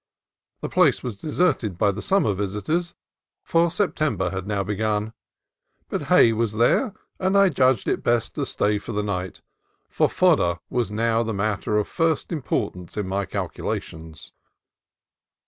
The place was deserted by the summer visitors, for September had now begun ; but hay was there, and I judged it best to stay for the night, for fodder was now the matter of first import ance in my calculations.